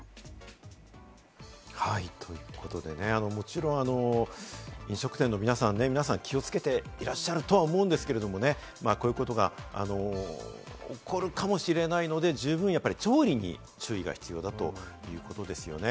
ということでね、もちろん、飲食店の皆さん気をつけていらっしゃるとは思うんですけれどもね、こういうことが起こるかもしれないので、十分調理に注意が必要だということですよね。